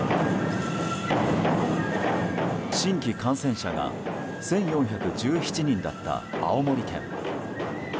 新規感染者が１４１７人だった青森県。